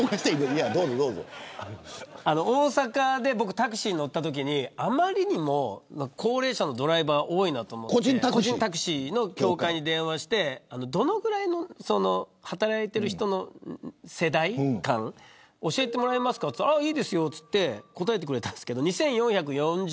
大阪でタクシーに乗ったときにあまりにも高齢者のドライバーが多いなと思って個人タクシーの協会に電話してどのぐらいの働いてる人の世代なのか教えてもらえますかって聞いたらいいですよと言って答えてくれたんですけど２４４０